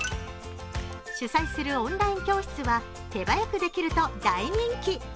主催するオンライン教室は手早くできると大人気。